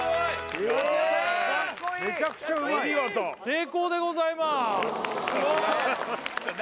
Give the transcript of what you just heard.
成功でございます